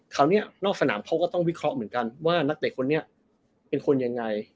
นอกสนามเขาก็ต้องวิเคราะห์เหมือนกันว่านักเตะคนนี้เป็นคนยังไง